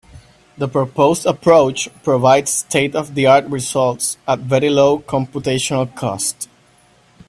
The proposed approach provides state-of-the-art results at very low computational cost.